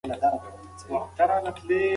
څوک به در وکاندې خیرې څوک بم در زیاړې توه کړي.